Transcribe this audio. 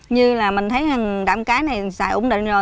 như là mình thấy đạm cái này xài ủng định rồi